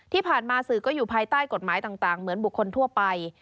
ที่ผ่านมาสื่อก็อยู่ภายใต้กฎหมายต่างเหมือนบุคคลทั่วไป